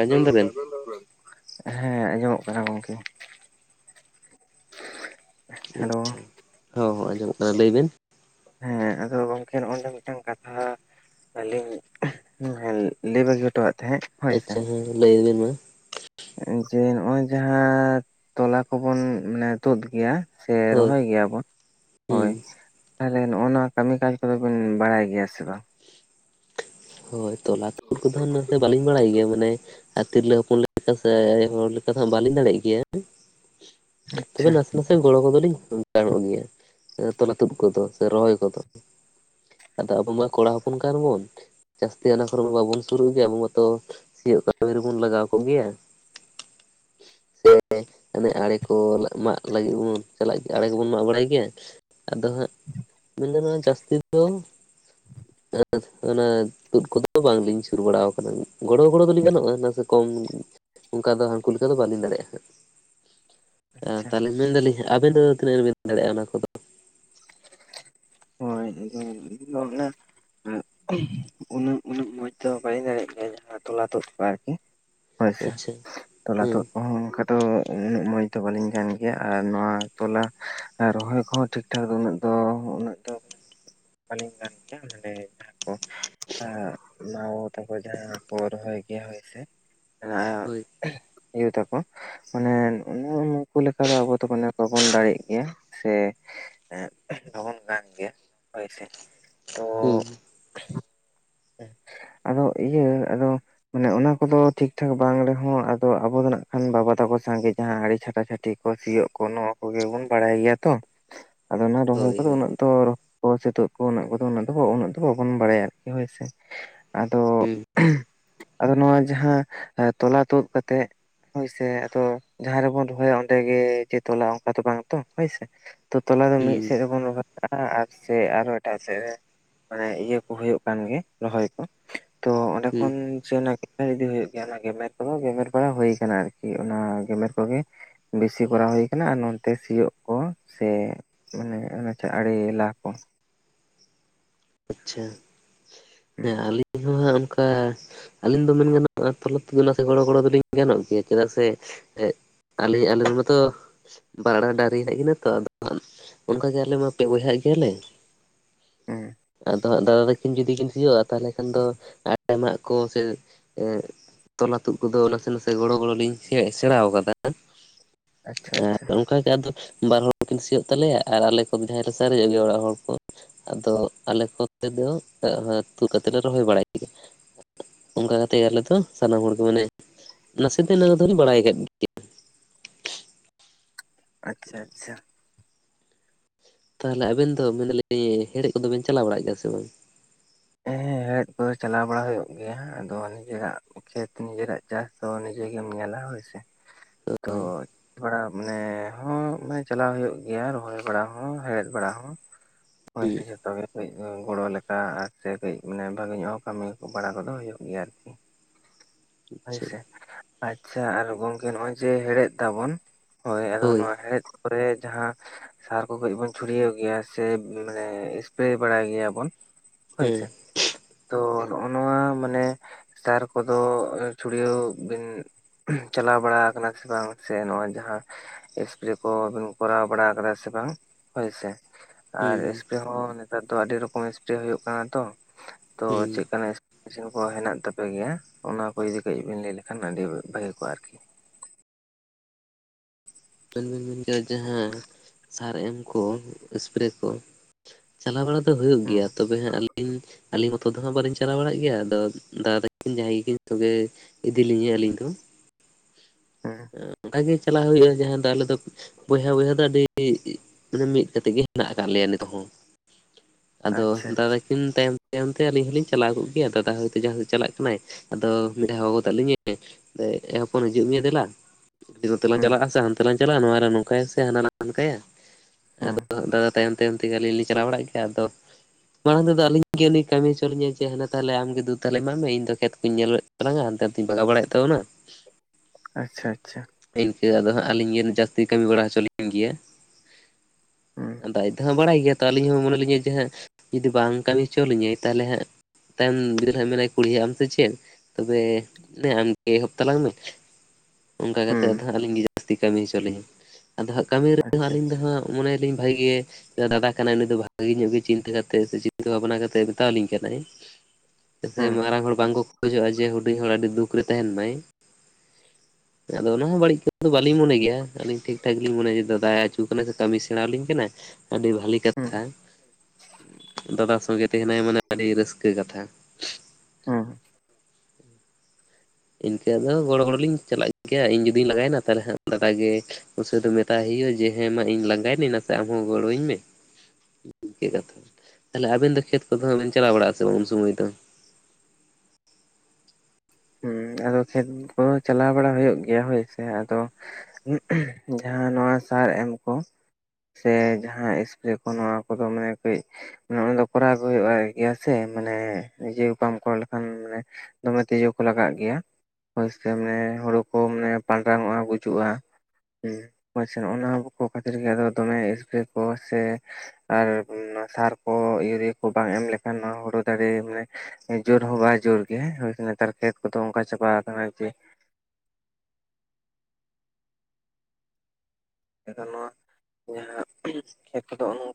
ᱟᱸᱡᱚᱢ ᱫᱟᱵᱮᱱ ᱦᱮᱸ ᱟᱸᱡᱚᱢᱚᱜ ᱠᱟᱱᱟ ᱜᱚᱝᱠᱮ᱾ ᱦᱮᱞᱳ ᱟᱪᱪᱷᱟ ᱦᱚᱸ ᱟᱸᱡᱚᱢᱚᱜ ᱠᱟᱱᱟ ᱞᱟᱹᱭᱵᱤᱱ᱾ ᱦᱮᱸ ᱟᱫᱚ ᱜᱚᱝᱠᱮ ᱱᱚ-ᱚᱱᱰᱮ ᱢᱤᱫᱴᱟᱝ ᱠᱟᱛᱷᱟ ᱟᱹᱞᱤᱧ [unintelligible] ᱞᱟᱹᱭ ᱵᱟᱹᱜᱤ ᱚᱴᱚᱣᱟᱫ ᱛᱟᱦᱮᱸᱫ᱾ ᱦᱳᱭ ᱥᱮ ᱟᱪᱪᱷᱟ ᱦᱮᱸ ᱦᱮᱸ ᱞᱟᱹᱭ ᱵᱤᱱ ᱢᱟ᱾ ᱡᱮ ᱱᱚᱜ-ᱚᱭ ᱡᱟᱦᱟᱸ ᱛᱚᱞᱟ ᱠᱚᱵᱩᱱ ᱢᱟᱱᱮ ᱛᱩᱫ ᱜᱮᱭᱟ᱾ ᱥᱮ ᱦᱳᱭ ᱨᱚᱦᱚᱭ ᱜᱮᱭᱟᱵᱚᱱ᱾ ᱦᱳᱭ᱾ ᱦᱩᱸ ᱛᱟᱦᱞᱮ ᱱᱚᱜᱼᱚ ᱱᱚᱣᱟ ᱠᱟᱹᱢᱤ ᱠᱟᱡᱽ ᱠᱚᱫᱚ ᱵᱤᱱ ᱵᱟᱲᱟᱭ ᱜᱮᱭᱟ ᱥᱮ ᱵᱟᱝ? ᱦᱳᱭ, ᱛᱚᱞᱟ ᱛᱩᱫ ᱠᱚᱫᱚ ᱱᱟᱥᱮ ᱵᱟᱹᱞᱤᱧ ᱵᱟᱲᱟᱭ ᱜᱮᱭᱟ᱾ ᱢᱟᱱᱮ ᱟᱨ ᱛᱤᱨᱞᱟᱹ ᱦᱚᱯᱚᱱ ᱞᱮᱠᱟ ᱥᱮ ᱟᱭᱳ ᱦᱚᱲ ᱞᱮᱠᱟ ᱫᱚ ᱦᱟᱸᱜ ᱵᱟᱞᱤᱧ ᱫᱟᱲᱮᱭᱟᱜ ᱜᱮᱭᱟ᱾ ᱛᱚᱵᱮ ᱟᱪᱪᱷᱟ ᱱᱟᱥᱮ ᱱᱟᱥᱮ ᱥᱮ ᱜᱚᱲᱚ ᱠᱚᱫᱚ ᱞᱤᱧ ᱜᱟᱲᱚᱜ ᱜᱮᱭᱟ᱾ ᱛᱚᱞᱟ ᱛᱩᱫ ᱠᱚᱫᱚ, ᱥᱮ ᱨᱚᱦᱚᱭ ᱠᱚᱫᱚ᱾ ᱟᱫᱚ ᱟᱵᱚ ᱢᱟ ᱠᱚᱲᱟ ᱦᱚᱯᱚᱱ ᱠᱟᱱ ᱵᱚᱱ᱾ ᱡᱟᱹᱥᱛᱤ ᱚᱱᱟ ᱠᱚᱨᱮ ᱢᱟ ᱵᱟᱵᱚᱱ ᱥᱩᱨᱩᱜ ᱜᱮᱭᱟ, ᱟᱵᱚ ᱢᱟᱛᱚ ᱥᱤᱭᱳᱜ ᱠᱟᱹᱢᱤ ᱨᱮᱵᱚᱱ ᱞᱟᱜᱟᱣ ᱠᱚᱜ ᱜᱮᱭᱟ᱾ ᱥᱮ ᱟᱱᱮ ᱟᱲᱮ ᱠᱚ ᱞᱟᱜ ᱢᱟᱜ ᱞᱟᱹᱜᱤᱫ ᱵᱚᱱ ᱪᱟᱞᱟᱜ ᱜᱮᱭᱟ ᱟᱲᱮ ᱠᱚᱵᱚᱱ ᱢᱟᱜ ᱵᱟᱲᱟᱭ ᱜᱮᱭᱟ, ᱟᱫᱚ ᱦᱟᱸᱜ ᱢᱮᱱ ᱫᱚ ᱱᱚᱣᱟ ᱪᱟᱥ ᱫᱤᱱ ᱫᱚ, ᱮᱸᱫ ᱚᱱᱟ ᱛᱩᱫ ᱠᱚᱫᱚ ᱵᱟᱝ ᱞᱤᱧ ᱥᱩᱨ ᱵᱟᱲᱟᱣ ᱟᱠᱟᱱᱟ᱾ ᱜᱚᱲᱚ ᱜᱚᱲᱚ ᱫᱚᱞᱤᱧ ᱜᱟᱱᱚᱜᱼᱟ᱾ ᱱᱟᱥᱮ ᱠᱚᱢ ᱚᱱᱠᱟ ᱫᱚ ᱦᱟᱹᱱᱠᱩ ᱞᱮᱠᱟ ᱫᱚ ᱵᱟᱹᱞᱤᱧ ᱫᱟᱲᱮᱭᱟᱜᱼᱟ ᱦᱟᱸᱜ᱾ ᱟ ᱟᱪᱪᱷᱟ ᱛᱟᱦᱞᱮ ᱢᱮᱱ ᱫᱟᱹᱞᱤᱧ ᱦᱟᱸᱜ ᱟᱵᱮᱱ ᱫᱚ ᱛᱤᱱᱟᱹᱜ ᱜᱟᱱ ᱵᱮᱱ ᱫᱟᱲᱮᱜᱼᱟ ᱚᱱᱟ ᱠᱚᱫᱚ? ᱦᱳᱭ ᱤᱧᱫᱚ, ᱤᱧ ᱫᱚ ᱚᱱᱮ ᱮᱸᱜ ᱩᱱᱟᱹᱜ ᱩᱱᱟᱹᱜ ᱢᱚᱸᱡᱽ ᱫᱚ ᱵᱟᱹᱭᱤᱧ ᱫᱟᱲᱮᱭᱟᱜ ᱜᱮᱭᱟ ᱡᱟᱦᱟᱸ ᱛᱚᱞᱟ ᱛᱩᱫ ᱠᱚ ᱟᱨᱠᱤ᱾ ᱦᱚᱭ ᱥᱮ ᱟᱪᱪᱷᱟ ᱛᱚᱞᱟ ᱦᱮᱸ ᱛᱩᱫ ᱠᱚᱦᱚᱸ ᱚᱱᱠᱟᱫ [inaudible] ᱩᱱᱟᱹᱜ ᱢᱚᱡᱽ ᱫᱚ ᱵᱟᱹᱞᱤᱧ ᱠᱟᱱ ᱜᱮᱭᱟ, ᱟᱨ ᱱᱚᱣᱟ ᱛᱚᱞᱟ ᱨᱚᱦᱚᱭ ᱠᱚᱦᱚᱸ ᱴᱷᱤᱠ ᱴᱷᱟᱠ ᱫᱚ ᱩᱱᱟᱹᱜ ᱫᱚ ᱩᱱᱟᱹᱜ [inaudible] ᱵᱟᱹᱞᱤᱧ ᱜᱟᱱ ᱜᱮᱭᱟ᱾ ᱢᱟᱱᱮ ᱡᱟᱦᱟᱸ ᱠᱚ ᱟᱸ ᱢᱟᱜᱳ ᱛᱟᱠᱚ ᱡᱟᱦᱟᱸ ᱠᱚ ᱨᱚᱦᱚᱭ ᱜᱮᱭᱟ ᱦᱳᱭ ᱥᱮ᱾ ᱦᱳᱭ ᱤᱭᱟᱹ ᱛᱟᱠᱚ᱾ ᱢᱟᱱᱮ ᱱᱩᱜ-ᱩ ᱩᱱᱠᱩ ᱞᱮᱠᱟ ᱫᱚ ᱟᱵᱚ ᱫᱚ ᱢᱟᱱᱮ ᱵᱟᱵᱚᱱ ᱫᱟᱲᱮᱭᱟᱜ ᱜᱮᱭᱟ᱾ ᱥᱮ ᱮᱸᱫ, ᱵᱟᱵᱚᱱ ᱜᱟᱱ ᱜᱮᱭᱟ ᱦᱳᱭ ᱥᱮ᱾ ᱛᱚ, ᱦᱩᱸ ᱟᱵᱚ ᱤᱭᱟᱹ ᱟᱫᱚ ᱢᱟᱱᱮ ᱚᱱᱟ ᱠᱚᱫᱚ ᱴᱷᱤᱠᱴᱷᱟᱠ ᱵᱟᱝ ᱨᱮᱦᱚᱸ, ᱟᱫᱚ ᱟᱵᱚ ᱫᱚ ᱱᱟᱜ ᱠᱷᱟᱱ ᱵᱟᱵᱟ ᱛᱟᱠᱚ ᱥᱟᱸᱜᱮ ᱡᱟᱦᱟᱸ ᱟᱲᱮ ᱪᱷᱟᱴᱟ ᱪᱷᱟ ᱴᱤ ᱠᱚ ᱥᱤᱭᱳᱜ ᱠᱚ ᱱᱚᱣᱟ ᱠᱚᱜᱮᱵᱚᱱ ᱵᱟᱲᱟᱭ ᱜᱮᱭᱟ ᱛᱚ᱾ [inaudible] ᱟᱫᱚ ᱚᱱᱟ ᱨᱚᱦᱚᱭ ᱦᱳᱭ ᱠᱚᱫᱚ ᱦᱳᱭ ᱩᱱᱟᱹᱜ ᱫᱚ, ᱨᱚᱦᱚᱭ ᱥᱮ ᱛᱩᱜ ᱠᱚ ᱩᱱᱟᱹᱜ ᱠᱚᱫᱚ ᱩᱱᱟᱹᱜ ᱫᱚ ᱩᱱᱟᱹᱜ ᱫᱚ ᱵᱟᱵᱚᱱ ᱵᱟᱲᱟᱭᱟ, ᱦᱳᱭ ᱥᱮ᱾ ᱥᱮ᱾ ᱟᱫᱚ, ᱦᱩᱸ ᱟᱫᱚ ᱱᱚᱣᱟ ᱡᱟᱦᱟᱸ ᱛᱚᱞᱟ ᱛᱩᱫ ᱠᱟᱛᱮᱜ ᱦᱳᱭ ᱥᱮ, ᱟᱫᱚ ᱡᱟᱦᱟᱸ ᱨᱮᱵᱚᱱ ᱨᱚᱦᱚᱭᱟ ᱚᱸᱰᱮ ᱜᱮ, ᱡᱮ ᱛᱚᱞᱟ ᱚᱱᱠᱟ ᱫᱚ ᱵᱟᱝ ᱛᱚ ᱦᱳᱭ ᱥᱮ᱾ ᱛᱚ, ᱛᱚᱞᱟ ᱫᱚ ᱦᱩᱸ ᱢᱤᱫ ᱥᱮᱫ ᱨᱮᱵᱚᱱ ᱨᱟᱦᱚᱭ ᱠᱟᱜ-, ᱟ ᱟᱨ ᱥᱮ ᱟᱨᱦᱚᱸ ᱮᱴᱟᱜ ᱥᱮᱫ ᱨᱮ? ᱢᱟᱱᱮ ᱤᱭᱟᱹ ᱠᱚ ᱦᱩᱭᱩᱜ ᱠᱟᱱ ᱜᱮ, ᱨᱚᱦᱚᱭ ᱠᱚ, ᱛᱚ ᱚᱸᱰᱮ ᱦᱩᱸ ᱠᱷᱚᱱ ᱥᱮ ᱚᱱᱟ ᱮᱨ ᱤᱫᱤ ᱦᱩᱭᱩᱜ ᱜᱮᱭᱟ, ᱚᱱᱟ ᱜᱮᱢᱮᱨ ᱠᱚᱦᱚᱸ ᱜᱮᱢᱮᱨ ᱵᱟᱲᱟ ᱦᱩᱭ ᱠᱟᱱᱟ ᱟᱨ ᱚᱱᱟ ᱜᱮᱢᱮᱨ ᱠᱚᱜᱮ ᱵᱤᱥᱤ ᱠᱚᱨᱟᱣ ᱦᱩᱭ ᱟᱠᱟᱱᱟ, ᱟᱨ ᱱᱚᱛᱮ ᱥᱤᱭᱳᱜ ᱠᱚ ᱥᱮ ᱢᱟᱱᱮ ᱚᱱᱟ ᱪᱚ ᱟᱲᱮ ᱞᱟ ᱠᱚ᱾ ᱟᱪᱷᱟ, ᱦᱮᱸ ᱦᱩᱸ ᱟᱹᱞᱤᱧ ᱦᱚᱸ ᱦᱟᱸᱜ ᱚᱱᱠᱟ ᱟᱹᱞᱤᱧ ᱫᱚ ᱢᱮᱱ ᱜᱟᱱᱚᱜ-ᱟ, ᱛᱚᱞᱟ ᱛᱩᱫ ᱱᱟᱥᱮ ᱜᱚᱲᱚ ᱜᱚᱲᱚ ᱫᱚᱞᱤᱧ ᱜᱟᱱᱚᱜ ᱜᱮᱭᱟ᱾ ᱪᱮᱫᱟᱜ ᱥᱮ ᱮᱸᱜ ᱟᱹᱞᱤᱧ ᱚᱱᱟ ᱢᱟᱛᱚ ᱵᱟᱨ ᱟᱨᱟᱬ ᱰᱟᱝᱨᱤ ᱦᱮᱱᱟᱜ ᱠᱤᱱᱟᱹ ᱛᱚ, ᱟᱫᱚ ᱚᱝᱠᱟᱜᱮ ᱟᱞᱮ ᱢᱟ ᱯᱮ ᱵᱚᱭᱦᱟᱜ ᱜᱮᱭᱟᱞᱮ᱾ ᱦᱩᱸ ᱟᱫᱚ ᱦᱟᱸᱜ ᱫᱟᱫᱟ ᱛᱟᱹᱠᱤᱱ ᱡᱩᱫᱤ ᱠᱤᱱ ᱥᱤᱭᱳᱜ-ᱟ᱾ ᱛᱟᱦᱞᱮ ᱠᱷᱟᱱ ᱫᱚ ᱟᱲᱮ ᱢᱟᱜ ᱠᱚ ᱥᱮ ᱮ ᱛᱚᱞᱟ ᱛᱩᱜ ᱠᱚᱫᱚ ᱱᱟᱥᱮ ᱱᱟᱥᱮ ᱜᱚᱲᱚ ᱜᱚᱲᱚ ᱞᱤᱧ ᱥᱮ ᱥᱮᱬᱟᱣ ᱠᱟᱫᱟ, ᱟᱪᱪᱷᱟ ᱟᱪᱪᱷᱟ ᱟᱨ ᱚᱱᱠᱟ ᱜᱮ ᱟᱫᱚ ᱵᱟᱨ ᱦᱚᱲᱠᱤᱱ ᱥᱤᱭᱳᱜ ᱛᱟᱞᱮᱭᱟ᱾ ᱟᱨ ᱟᱞᱮ ᱠᱚ ᱡᱟᱦᱟᱸᱭ ᱞᱮ ᱥᱟᱨᱮᱡᱚᱜ ᱜᱮᱭᱟ, ᱚᱲᱟᱜ ᱦᱚᱲ ᱠᱚ ᱟᱫᱚ, ᱟᱞᱮ ᱠᱚᱛᱮ ᱫᱚ ᱛᱩᱫ ᱠᱟᱛᱮ ᱞᱮ ᱨᱚᱦᱚᱭ ᱵᱟᱲᱟᱭ ᱜᱮᱭᱟ᱾ ᱚᱱᱠᱟ ᱠᱟᱛᱮᱜᱮ ᱟᱞᱮ ᱫᱚ ᱥᱟᱱᱟᱢ ᱦᱚᱲᱜᱮ ᱢᱟᱱᱮ, ᱡᱟᱥᱛᱤ ᱫᱚ ᱚᱱᱟ ᱠᱚᱫᱚ ᱞᱤᱧ ᱵᱟᱲᱟᱭ ᱠᱟᱫ ᱜᱮᱭᱟ᱾ ᱟᱪᱪᱷᱟ ᱟᱪᱪᱷᱟ᱾ ᱛᱟᱦᱞᱮ ᱟᱵᱮᱱ ᱫᱚ ᱢᱮᱱ ᱫᱟᱞᱤᱧ ᱦᱮᱲᱮᱫ ᱠᱚᱫᱚ ᱵᱮᱱ ᱪᱟᱞᱟᱣ ᱵᱟᱲᱟᱜ ᱜᱮᱭᱟ ᱥᱮ ᱵᱟᱝ? ᱦᱮᱸ, ᱦᱮᱲᱦᱮᱫ ᱫᱚ ᱪᱟᱞᱟᱣ ᱵᱟᱲᱟ ᱦᱩᱭᱩᱜ ᱜᱮᱭᱟ ᱟᱫᱚ ᱱᱤᱡᱮᱨᱟᱜ ᱠᱷᱮᱛ ᱱᱤᱡᱮᱨᱟᱜ ᱪᱟᱥ ᱫᱚ ᱱᱤᱡᱮ ᱜᱮᱢ ᱧᱮᱞᱟ ᱦᱳᱭ ᱥᱮ ᱛᱚ, ᱦᱳᱭ ᱛᱷᱚᱲᱟ ᱢᱟᱱᱮ ᱦᱚᱸ, ᱢᱟᱱᱮ ᱪᱟᱞᱟᱣ ᱦᱩᱭᱩᱜ ᱜᱮᱭᱟ ᱨᱚᱦᱚᱭ ᱵᱟᱲᱟ ᱦᱚᱸ ᱦᱮᱲᱦᱮᱫ ᱵᱟᱲᱟ ᱦᱚᱸ᱾ ᱦᱳᱭ ᱦᱩᱸ ᱥᱮ ᱡᱚᱛᱚᱜ ᱜᱮ ᱢᱤᱫ ᱜᱚᱲᱚ ᱞᱮᱠᱟ, ᱟᱨ ᱥᱮ ᱠᱟᱹᱡ ᱢᱟᱱᱮ ᱵᱷᱟᱜᱮ ᱧᱚᱜ ᱦᱚᱸ ᱠᱟᱹᱢᱤ ᱵᱟᱲᱟ ᱠᱚᱫᱚ ᱦᱩᱭᱩᱜ ᱜᱮᱭᱟ ᱟᱨᱠᱤ᱾ ᱦᱳᱭ ᱟᱪᱪᱷᱟ ᱥᱮ᱾ ᱟᱪᱪᱷᱟ ᱟᱨ ᱜᱚᱝᱠᱮ ᱱᱚᱜ-ᱚᱭ ᱡᱮ ᱦᱮᱲᱦᱮᱫ ᱫᱟᱵᱚᱱ ᱦᱳᱭ, ᱟᱫᱚ ᱱᱚᱣᱟ ᱦᱮᱲᱦᱮᱫ ᱠᱚᱨᱮ ᱡᱟᱦᱟᱸ ᱥᱟᱨ ᱠᱚ ᱠᱟᱺᱡ ᱵᱚᱱ ᱪᱷᱩᱲᱭᱟᱹᱣ ᱜᱮᱭᱟ ᱥᱮ‌ ᱢᱟᱱᱮ ᱥᱯᱨᱮᱹ ᱵᱟᱲᱟᱭ ᱜᱮᱭᱟ ᱵᱚᱱ᱾ ᱦᱳᱭ ᱦᱮᱸ ᱥᱮ ᱛᱚ ᱱᱚᱜ-ᱚ ᱱᱚᱣᱟ ᱢᱟᱱᱮ ᱥᱟᱨ ᱠᱚᱫᱚ ᱪᱷᱩᱲᱭᱟᱹᱣ ᱵᱮᱱ ᱪᱟᱞᱟᱣ ᱵᱟᱲᱟᱣ ᱠᱟᱱᱟ ᱥᱮ ᱵᱟᱝ? ᱥᱮ ᱱᱚᱜ-ᱚᱭ ᱡᱟᱦᱟᱸ ᱮᱥᱯᱨᱮᱹ ᱠᱚᱵᱤᱱ ᱠᱚᱨᱟᱣ ᱵᱟᱲᱟ ᱠᱟᱫᱟ ᱥᱮ ᱵᱟᱝ ᱦᱳᱭ ᱥᱮ? ᱟᱨ ᱦᱩᱸ ᱮᱥᱯᱮᱨᱮᱹ ᱦᱚᱸ ᱱᱮᱛᱟᱨ ᱫᱚ ᱟᱹᱰᱤ ᱨᱚᱠᱚᱢ ᱮᱥᱯᱮᱨᱮᱹ ᱦᱩᱭᱩᱜ ᱠᱟᱱᱟ ᱛᱚ᱾ ᱛᱚ ᱦᱩᱸ ᱪᱮᱫᱠᱟᱱᱟᱜ ᱮᱥᱯᱨᱮᱹ ᱢᱤᱥᱤᱱ ᱠᱚ ᱦᱮᱱᱟᱜ ᱛᱟᱯᱮ ᱛᱟᱯᱮ ᱜᱮᱭᱟ? ᱚᱱᱟ ᱠᱚ ᱡᱩᱫᱤ ᱠᱟᱹᱡ ᱵᱤᱱ ᱞᱟᱹᱭ ᱞᱮᱠᱷᱟᱱ ᱟᱹᱰᱤ ᱵᱷᱟᱹᱜᱤ ᱠᱚᱜ-ᱟ ᱟᱨᱠᱤ᱾ ᱟᱵᱮᱱ ᱵᱮᱱ ᱢᱮᱱ ᱠᱮᱫᱟ ᱡᱟᱦᱟᱸ ᱥᱟᱨ ᱮᱢ ᱠᱚ ᱮᱥᱯᱨᱮᱹ ᱠᱚ ᱪᱟᱞᱟᱣ ᱵᱟᱲᱟ ᱫᱚ ᱦᱩᱭᱩᱜ ᱦᱩᱸ ᱜᱮᱭᱟ, ᱛᱚᱵᱮ ᱦᱟᱸᱜ ᱟᱹᱞᱤᱧ, ᱟᱹᱞᱤᱧ ᱵᱟ ᱢᱚᱛᱚ ᱫᱚ ᱦᱟᱸᱜ ᱵᱟᱞᱤᱧ ᱪᱟᱞᱟᱣ ᱵᱟᱲᱟᱜ ᱜᱮᱭᱟ᱾ ᱟᱫᱚ ᱫᱟᱫᱟ ᱛᱟᱹᱠᱤᱱ ᱡᱟᱦᱟᱸᱭ ᱜᱮᱠᱤᱱ ᱥᱚᱸᱜᱮ ᱤᱫᱤᱞᱤᱧᱟᱹ ᱟᱹᱞᱤᱧ ᱫᱚ᱾ ᱦᱩᱸ ᱚᱝᱠᱟ ᱜᱮ ᱪᱟᱞᱟᱜ ᱦᱩᱭᱩᱜ-ᱟ ᱡᱟᱦᱟᱸ ᱫᱚ ᱟᱞᱮ ᱫᱚ ᱵᱚᱭᱦᱟ ᱵᱚᱭᱦᱟ ᱫᱚ ᱟᱹᱰᱤ ᱚᱱᱮ ᱢᱤᱜ ᱠᱟᱛᱮᱜ ᱜᱮ ᱦᱮᱱᱟᱜ ᱟᱠᱟᱜ ᱞᱮᱭᱟ ᱱᱤᱛ ᱦᱚᱸ᱾ ᱟᱫᱚ ᱟᱪᱪᱷᱟ ᱫᱟᱫᱟ ᱟᱪᱪᱷᱟ ᱠᱤᱱ ᱛᱟᱭᱚᱢ ᱛᱟᱭᱚᱢ ᱛᱮ ᱟᱹᱞᱤᱧ ᱦᱚᱸᱞᱤᱧ ᱪᱟᱞᱟᱣ ᱠᱚᱠ ᱜᱮᱭᱟ ᱫᱟᱫᱟ ᱦᱳᱭ ᱛᱚ ᱡᱟᱦᱟᱸ ᱪᱟᱞᱟᱜ ᱠᱟᱱᱟᱭ ᱟᱫᱚ ᱢᱤᱫ ᱫᱷᱟᱣ ᱦᱚᱦᱚ ᱜᱚᱫᱟᱜ ᱞᱤᱧᱟᱭ ᱮᱼᱮ ᱦᱚᱯᱚᱱ ᱦᱤᱡᱩᱜ ᱢᱮᱭᱟ ᱫᱮᱞᱟ ᱱᱚᱛᱮ ᱞᱟᱝ ᱦᱩᱸ ᱪᱟᱞᱟᱜ-ᱟ ᱥᱮ ᱦᱟᱱᱛᱮ ᱞᱟᱝ ᱪᱟᱞᱟᱜ-ᱟ ᱱᱚᱣᱟ ᱞᱟᱝ ᱱᱚᱝᱠᱟᱭᱟ ᱥᱮ ᱦᱟᱱᱟ ᱞᱟᱝ ᱦᱟᱱᱠᱟᱭᱟ, ᱦᱩᱸ ᱟᱫᱚ ᱫᱟᱫᱟ ᱛᱟᱭᱚᱢ ᱛᱟᱭᱚᱢ ᱛᱮᱜᱮ ᱟᱹᱞᱤᱧ ᱞᱤᱧ ᱪᱟᱞᱟᱣ ᱵᱟᱲᱟᱜ ᱜᱮᱭᱟ ᱟᱫᱚ ᱢᱟᱲᱟᱝ ᱛᱮᱫᱚ ᱟᱞᱤᱧ ᱜᱮ ᱩᱱᱤ ᱠᱟᱹᱢᱤ ᱦᱚᱪᱚ ᱞᱤᱧᱟ ᱡᱮ ᱦᱮᱱᱮ ᱛᱟᱦᱟᱞᱮ ᱟᱢ ᱜᱮ ᱫᱩ ᱛᱟᱦᱚᱞᱮ ᱮᱢᱟᱜ ᱢᱮ ᱤᱧ ᱠᱷᱮᱛ ᱠᱚᱧ ᱧᱮᱞ ᱛᱟᱞᱟᱝᱟ ᱦᱟᱱᱛᱮ ᱱᱟᱛᱮ ᱵᱟᱜᱟᱣ ᱵᱟᱲᱟᱭᱮᱜ ᱛᱟᱵᱚᱱᱟ᱾ ᱟᱪᱪᱷᱟ ᱟᱪᱪᱷᱟ, ᱤᱱᱠᱟᱹ ᱟᱫᱚ ᱦᱟᱸᱜ ᱟᱹᱞᱤᱧ ᱜᱮ ᱡᱟᱹᱥᱛᱤ ᱠᱟᱹᱢᱤ ᱵᱟᱲᱟ ᱦᱚᱪᱚ ᱞᱤᱧ ᱜᱮᱭᱟ᱾ ᱦᱩᱸ ᱟᱫᱚ ᱟᱡ ᱫᱚ ᱦᱟᱸᱜ ᱵᱟᱲᱟᱭ ᱜᱮᱭᱟᱛ ᱛᱚ ᱟᱹᱞᱤᱧ ᱦᱚᱸ ᱢᱚᱱᱮ ᱞᱤᱧᱟᱹᱭ ᱡᱮ ᱦᱟᱸᱜ ᱡᱩᱫᱤ ᱵᱟᱝ ᱠᱟᱹᱢᱤ ᱦᱚᱪᱚ ᱞᱤᱧᱟᱭ ᱛᱟᱦᱟᱞᱮ ᱦᱟᱸᱜ, ᱛᱟᱭᱚᱢ ᱵᱤᱫᱟᱹᱞ ᱦᱟᱸᱜ ᱢᱮᱱᱟᱭ ᱠᱩᱲᱤᱭᱟ ᱟᱢ ᱥᱮ ᱪᱮᱜ ᱛᱚᱵᱮ ᱚᱱᱮ ᱟᱢᱜᱮ ᱮᱦᱚᱵ ᱛᱟᱞᱟᱝ ᱢᱮ᱾ ᱚᱱᱠᱟ ᱠᱟᱛᱮᱫ ᱦᱩᱸ ᱟᱫᱚ ᱦᱟᱸᱜ ᱟᱹᱞᱤᱧ ᱜᱮ ᱡᱟᱹᱥᱛᱤ ᱠᱟᱹᱢᱤ ᱦᱚᱪᱚ ᱞᱤᱧᱟᱹᱭ ᱟᱫᱚ ᱦᱟᱸᱜ ᱠᱟᱸᱢᱤ ᱨᱮᱫᱚ ᱟᱪᱪᱷᱟ ᱟᱹᱞᱤᱧ ᱫᱚ ᱟᱪᱪᱷᱟ ᱦᱟᱸᱜ ᱢᱚᱱᱮᱭᱟᱞᱤᱧ ᱵᱷᱟᱜᱮ ᱜᱮ ᱫᱟᱫᱟ ᱠᱟᱱᱟᱭ ᱩᱱᱤ ᱫᱚ ᱵᱷᱟᱹᱜᱤ ᱧᱚᱜ ᱜᱮ ᱪᱤᱱᱛᱟᱹ ᱠᱟᱛᱮᱜ ᱥᱮ ᱪᱤᱱᱛᱟᱹ ᱵᱷᱟᱵᱽᱱᱟ ᱠᱟᱛᱮ ᱢᱮᱛᱟᱣᱞᱤᱧ ᱠᱟᱱᱟᱭ᱾ ᱦᱮᱸ ᱥᱮ ᱦᱩᱸ ᱢᱟᱨᱟᱝ ᱦᱚᱲ ᱵᱟᱝ ᱠᱚ ᱠᱷᱚᱡᱚᱜ-ᱟ ᱡᱮ ᱦᱩᱰᱤᱧ ᱦᱚᱲ ᱟᱹᱰᱤ ᱫᱩᱠ ᱨᱮ ᱛᱟᱦᱮᱸᱱ ᱢᱟᱭ, ᱟᱫᱚ ᱚᱱᱟ ᱦᱚᱸ ᱵᱟᱹᱲᱤᱜ ᱠᱟᱛᱷᱟ ᱫᱚ ᱵᱟᱞᱤᱧ ᱢᱚᱱᱮᱭ ᱜᱮᱭᱟ ᱟᱹᱞᱤᱧ ᱴᱷᱤᱠ ᱴᱷᱟᱠ ᱜᱮᱞᱤᱧ ᱢᱚᱱᱮᱭᱟ [unintelligible] ᱫᱟᱫᱟᱡ [unintelligible] ᱠᱟᱹᱢᱤ ᱥᱮᱬᱟᱣ ᱞᱤᱧ ᱠᱟᱱᱟ ᱟᱹᱰᱤ ᱵᱷᱟᱹᱞᱤ ᱦᱩᱸ ᱠᱟᱛᱷᱟ ᱫᱟᱫᱟ ᱥᱚᱝᱜᱮᱫ ᱛᱟᱦᱮᱸᱱᱟᱭ ᱢᱟᱱᱮ ᱟᱹᱰᱤ ᱨᱟᱹᱥᱠᱟ ᱠᱟᱛᱷᱟ᱾ ᱦᱩᱸ ᱤᱱᱠᱟᱹ ᱫᱚ ᱜᱚᱲᱚ ᱜᱚᱲᱚ ᱞᱤᱧ ᱪᱟᱞᱟᱜ ᱜᱮᱭᱟ ᱤᱧ ᱡᱩᱫᱤᱧ ᱞᱟᱝᱜᱟᱭ ᱱᱟ ᱛᱟᱦᱚᱞᱮ ᱦᱟᱸᱜ ᱫᱟᱫᱟ ᱜᱮ ᱚᱥᱟᱹ ᱫᱚ ᱢᱮᱛᱟᱭ ᱦᱩᱭᱩᱜ-ᱟ ᱡᱮ ᱦᱮᱸ ᱢᱟ ᱤᱧ ᱞᱟᱸᱜᱟᱭᱱᱟᱹᱧ ᱱᱟᱥᱮ ᱟᱢ ᱦᱚᱸ ᱜᱚᱲᱚᱣᱟᱹᱧ ᱢᱮ᱾ ᱤᱱᱠᱟᱹ ᱠᱟᱛᱷᱟ ᱛᱟᱦᱚᱞᱮ ᱟᱵᱤᱱ ᱫᱚ ᱠᱷᱮᱛ ᱠᱚᱫᱚ ᱦᱟᱸᱜ ᱵᱤᱱ ᱪᱟᱞᱟᱣ ᱵᱟᱲᱟᱜᱼᱟ ᱥᱮ ᱵᱟᱝ ᱩᱱ ᱥᱚᱢᱚᱭ ᱫᱚ? ᱦᱩᱸ ᱟᱫᱚ ᱠᱷᱮᱛ ᱠᱚᱦᱚᱸ ᱪᱟᱞᱟᱣ ᱵᱟᱲᱟ ᱦᱩᱭᱩᱜ ᱜᱮᱭᱟ ᱦᱳᱭ ᱥᱮ ᱟᱫᱚ ᱡᱟᱦᱟᱸ ᱱᱚᱣᱟ ᱥᱟᱨ ᱮᱢᱠᱩ ᱥᱮ ᱡᱟᱦᱟᱸ ᱮᱥᱯᱨᱮ ᱠᱚ ᱱᱚᱣᱟ ᱠᱚᱫᱚ ᱢᱟᱱᱮ ᱠᱟᱹᱡ ᱚᱱᱮ ᱚᱱᱟ ᱫᱚ ᱠᱚᱨᱟᱣ ᱜᱮ ᱦᱩᱭᱩᱜᱼᱟ ᱜᱮᱭᱟ ᱥᱮ ᱢᱟᱱᱮ ᱱᱤᱡᱮ ᱵᱟᱢ ᱠᱚᱨᱟᱣ ᱞᱮᱠᱷᱟᱱ ᱢᱟᱱᱮ ᱫᱚᱢᱮ ᱛᱮᱭᱚᱜ ᱠᱚ ᱞᱟᱜᱟᱜ ᱜᱮᱭᱟ ᱦᱳᱭ ᱥᱮ ᱢᱟᱱᱮ ᱦᱩᱲᱩ ᱠᱚ ᱢᱟᱱᱮ ᱯᱟᱱᱰᱟᱝᱚᱜ-ᱟ ᱜᱩᱡᱩᱜ-ᱟ ᱦᱩ, ᱸ ᱦᱚᱭᱥᱮ ᱚᱱᱟᱠᱚ ᱠᱷᱟᱹᱛᱤᱨ ᱜᱮ ᱟᱫᱚ ᱫᱚᱢᱮ ᱮᱥᱯᱨᱮ ᱠᱚ ᱥᱮ, ᱟᱨ ᱥᱟᱦᱟᱨ ᱠᱚ ᱤᱣᱨᱤᱭᱟᱹ ᱠᱚ ᱵᱟᱝ ᱮᱢ ᱞᱮᱠᱷᱟᱱ ᱦᱩᱲᱩ ᱫᱟᱨᱮ ᱢᱟᱱᱮ ᱦᱮᱸ ᱡᱳᱨ ᱦᱚᱸ ᱵᱟ ᱡᱳᱨ ᱜᱮᱭᱟ ᱦᱚᱭᱛᱚ ᱱᱮᱛᱟᱨ ᱠᱷᱮᱛ ᱠᱚᱫᱚ ᱚᱱᱠᱟ ᱪᱟᱵᱟᱣ ᱠᱟᱱᱟ ᱡᱮ, ᱢᱮᱱᱠᱷᱟᱱ ᱱᱚᱣᱟ ᱡᱟᱦᱟᱸ ᱠᱷᱮᱛ ᱠᱚᱫᱚ ᱚᱱᱚ ᱚᱝᱠᱟ